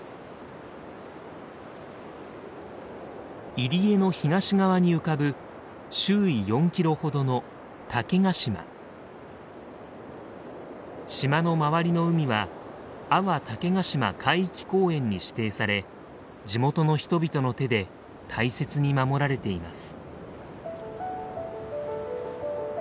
入り江の東側に浮かぶ周囲４キロほどの島の周りの海は阿波竹ヶ島海域公園に指定され地元の人々の手で大切に守られています。